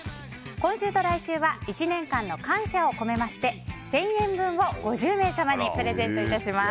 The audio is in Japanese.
今週と来週は１年間の感謝を込めまして１０００円分を５０名様にプレゼントします。